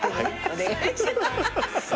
お願いします。